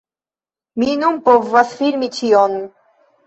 Mi nun povas filmi ĉion!